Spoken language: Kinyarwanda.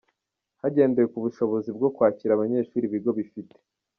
Hagendewe ku bushobozi bwo kwakira abanyeshuri ibi bigo bifite.